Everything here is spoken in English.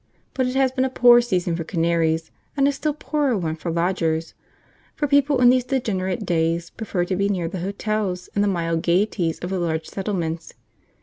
But it has been a poor season for canaries, and a still poorer one for lodgers; for people in these degenerate days prefer to be nearer the hotels and the mild gaieties of the larger settlements.